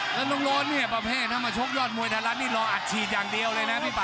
แล้วน้องโรดเนี่ยประเภทถ้ามาชกยอดมวยไทยรัฐนี่รออัดฉีดอย่างเดียวเลยนะพี่ป่า